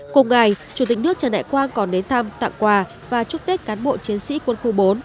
cùng ngày chủ tịch nước trần đại quang còn đến thăm tặng quà và chúc tết cán bộ chiến sĩ quân khu bốn